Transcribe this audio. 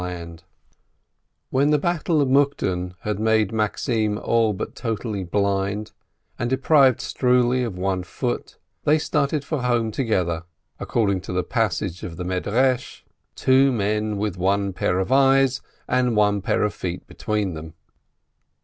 And when the battle of Mukden had made Maxim all but totally blind, and deprived Struli of one foot, they started for home together, according to the passage in the Midrash, "Two men with one pair of eyes and one pair of feet between them."